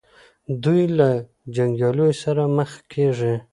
دوی له جنګیالیو سره مخ کیږي.